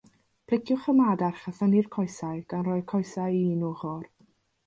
Pliciwch y madarch a thynnu'r coesau, gan roi'r coesau i un ochr.